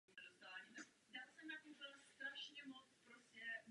Kostel získal jméno po zaniklé obci.